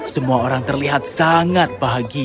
semua orang terlihat sangat bahagia